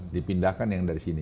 dipindahkan yang dari sini